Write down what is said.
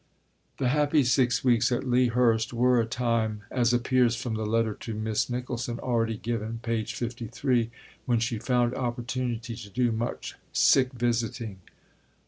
The "happy six weeks at Lea Hurst" were a time, as appears from the letter to Miss Nicholson already given (p. 53), when she found opportunity to do much sick visiting.